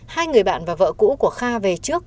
hai người bạn và vợ cũ của kha về trước